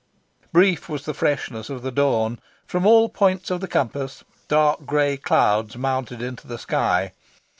Brief was the freshness of the dawn. From all points of the compass, dark grey clouds mounted into the sky.